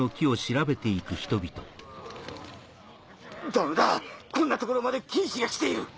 ダメだこんな所まで菌糸が来ている。